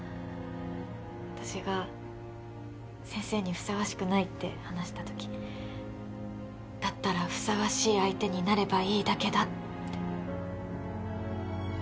私が先生にふさわしくないって話した時だったらふさわしい相手になればいいだけだって